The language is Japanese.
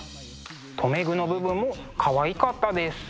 留め具の部分もかわいかったです。